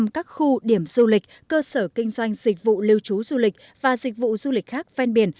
một trăm linh các khu điểm du lịch cơ sở kinh doanh dịch vụ lưu trú du lịch và dịch vụ du lịch khác ven biển